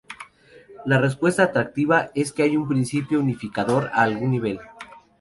La respuesta atractiva es que hay un principio unificador a algún nivel.